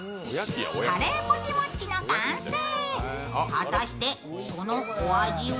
果たして、そのお味は？